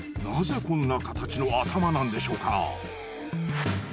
なぜこんな形の頭なんでしょうか。